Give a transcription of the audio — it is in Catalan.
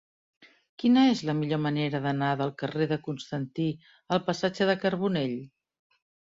Quina és la millor manera d'anar del carrer de Constantí al passatge de Carbonell?